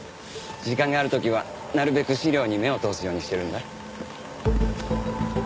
時間がある時はなるべく資料に目を通すようにしてるんだ。